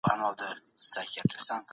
ښاري ستونزي تر کلیوالي ستونزو ډيري دي.